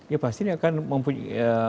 ya pasti ini akan mempunyai